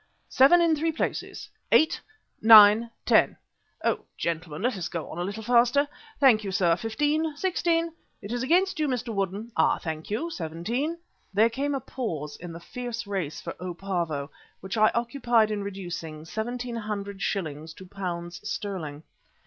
Seven in three places. Eight. Nine. Ten. Oh! gentlemen, let us get on a little faster. Thank you, sir fifteen. Sixteen. It is against you, Mr Woodden. Ah! thank you, seventeen." There came a pause in the fierce race for "O. Pavo," which I occupied in reducing seventeen hundred shillings to pounds sterling.